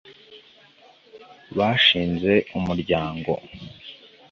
bashinze Umuryango